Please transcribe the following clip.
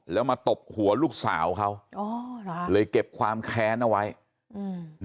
แล้วมาตบหัวลูกสาวเขาอ๋อเหรอเลยเก็บความแค้นเอาไว้อืม